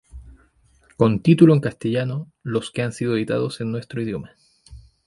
Con título en castellano, los que han sido editados en nuestro idioma.